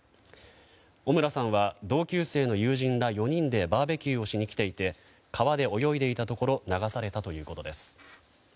尾村さんは同級生の友人ら４人でバーベキューをしに来ていて川で泳いでいたところ流されたということです。